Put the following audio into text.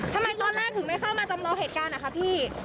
ทำไมตอนแรกถึงไม่เข้ามาจำลองเหตุการณ์นะคะพี่